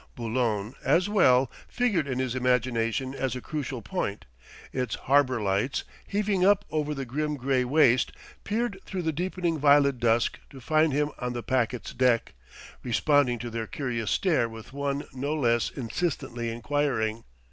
Boulogne, as well, figured in his imagination as a crucial point: its harbour lights, heaving up over the grim grey waste, peered through the deepening violet dusk to find him on the packet's deck, responding to their curious stare with one no less insistently inquiring....